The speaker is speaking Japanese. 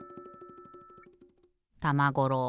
たまごろう